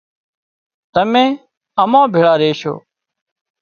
تمين امان ڀيۯا ريشو